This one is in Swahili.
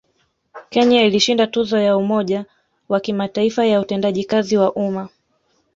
Kenya ilishinda tuzo ya Umoja wa Kimataifa ya Utendaji kazi wa Umma